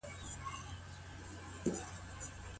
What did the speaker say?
د پوهي وسله د قلم په بڼه راڅرګندیږي.